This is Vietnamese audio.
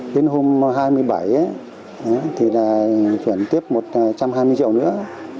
đến hôm hai mươi bảy thì là chuyển tiếp một trăm hai mươi triệu nữa